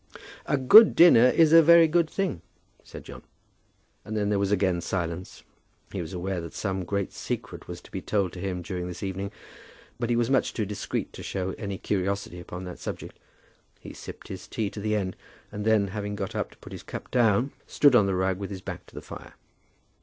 "A good dinner is a very good thing," said John. And then there was again silence. He was aware that some great secret was to be told to him during this evening, but he was much too discreet to show any curiosity upon that subject. He sipped his tea to the end, and then, having got up to put his cup down, stood on the rug with his back to the fire.